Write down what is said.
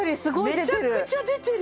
めちゃくちゃ出てる！